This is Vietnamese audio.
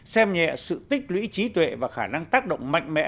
xem nhẹ sự tích lũy trí tuệ và khả năng tác động mạnh mẽ